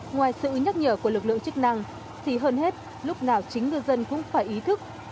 ngoài sự nhắc nhở của lực lượng chức năng thì hơn hết lúc nào chính ngư dân cũng phải ý thức